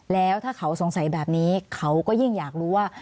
แล้วถ้าเขาสงสัยแบบนี้เขาก็ยิ่งอยากรู้ว่า